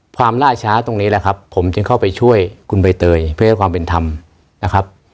ล่าช้าตรงนี้แหละครับผมจึงเข้าไปช่วยคุณใบเตยเพื่อให้ความเป็นธรรมนะครับ